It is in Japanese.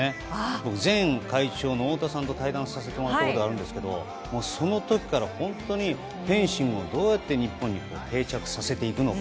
僕、前会長の太田さんと対談させてもらったことがあるんですけどその時から本当にフェンシングをどうやって日本に定着させていくのか。